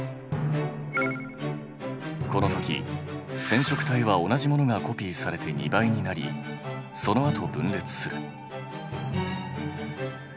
このとき染色体は同じものがコピーされて２倍になりそのあと分裂する。